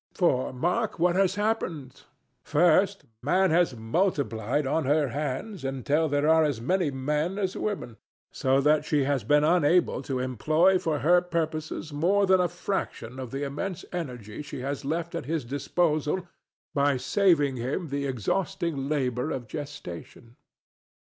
For mark what has happened. First, Man has multiplied on her hands until there are as many men as women; so that she has been unable to employ for her purposes more than a fraction of the immense energy she has left at his disposal by saving him the exhausting labor of gestation.